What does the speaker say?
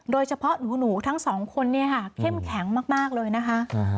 หนูทั้งสองคนเนี่ยค่ะเข้มแข็งมากเลยนะคะ